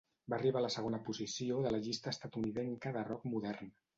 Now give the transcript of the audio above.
Va arribar a la segona posició de la llista estatunidenca de rock modern.